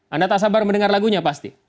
anda tak sabar mendengar lagunya pasti